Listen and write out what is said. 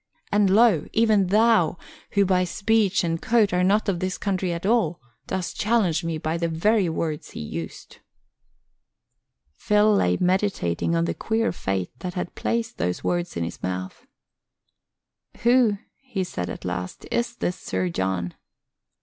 And lo! even thou, who by speech and coat are not of this country at all, dost challenge me by the very words he used." Phil lay meditating on the queer fate that had placed those words in his mouth. "Who," he said at last, "is this Sir John?"